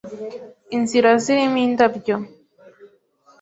Inzira zirimo indabyo